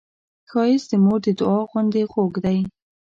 ښایست د مور د دعا غوندې خوږ دی